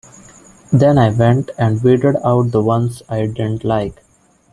Then I went and weeded out the ones I didn't like.